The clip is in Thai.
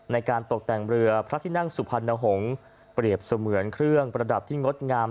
ในการตกแต่งเรือพระที่นั่งสุพรรณหงษ์เปรียบเสมือนเครื่องประดับที่งดงาม